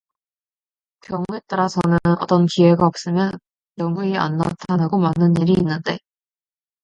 경우에 따라서는 어떤 기회가 없으면 영구히 안 나타나고 마는 일이 있는데